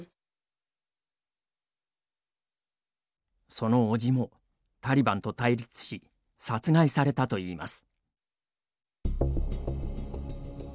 その叔父もタリバンと対立し殺害されたといいます。